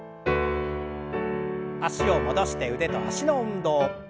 脚を戻して腕と脚の運動。